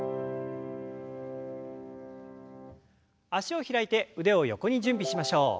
脚を開いて腕を横に準備しましょう。